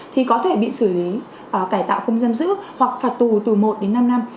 thì có thể bị xử lý cải tạo không giam giữ hoặc phạt tù từ một đến năm năm